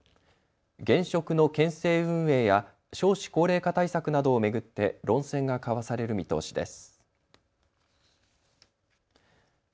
現職の県政運営や少子高齢化対策などを巡って論戦が交わされる見通しです。